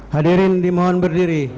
hadirin dimohon berdiri